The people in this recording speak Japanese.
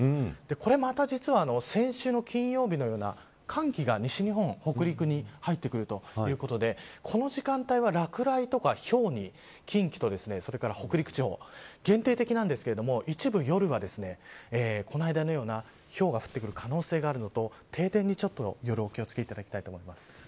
これ、また実は先週の金曜日のような寒気が西日本、北陸に入ってくるということでこの時間帯は落雷とかひょうに近畿と北陸地方限定的なんですけど一部夜は、この間のようなひょうが降ってくる可能性があるのと停電に夜、お気を付けいただきたいと思います。